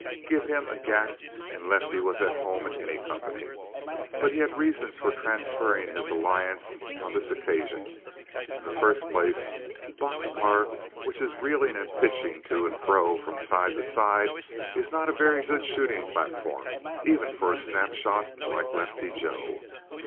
Give him a gat and Lefty was at home in any company. But he had reasons for transferring his alliance on this occasion. In the first place, a box car which is reeling and pitching to and fro, from side to side, is not a very good shooting platform even for a snapshot like Lefty Joe.